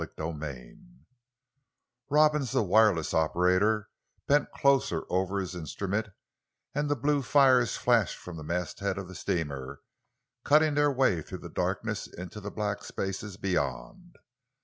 CHAPTER IX Robins, the wireless operator, bent closer over his instrument, and the blue fires flashed from the masthead of the steamer, cutting their way through the darkness into the black spaces beyond.